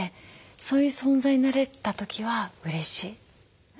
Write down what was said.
そういう存在になれた時はうれしい。